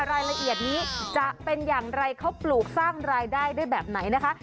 รายละเอียดนี้จะเป็นอย่างไรเขาปลูกสร้างรายได้ได้แบบไหนนะคะ